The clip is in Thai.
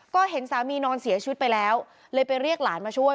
ก็เห็นสามีนอนเสียชีวิตไปแล้วเลยไปเรียกหลานมาช่วย